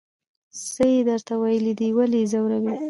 څه یې درته ویلي دي ولې یې ځوروئ.